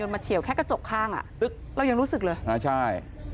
มาเฉียวแค่กระจกข้างอ่ะเรายังรู้สึกเลยอ่าใช่